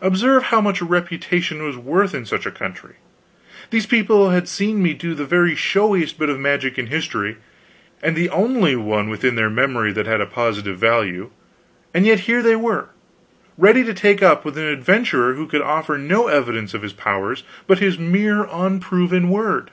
Observe how much a reputation was worth in such a country. These people had seen me do the very showiest bit of magic in history, and the only one within their memory that had a positive value, and yet here they were, ready to take up with an adventurer who could offer no evidence of his powers but his mere unproven word.